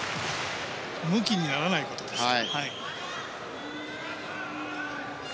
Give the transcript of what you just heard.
むきにならないことですね。